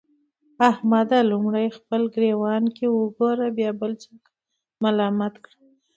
احمده! لومړی په خپل ګرېوان کې وګوره؛ بيا بل څوک ملامت کړه.